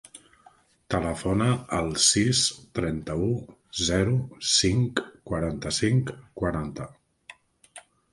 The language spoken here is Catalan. Telefona al sis, trenta-u, zero, cinc, quaranta-cinc, quaranta.